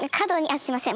すいません。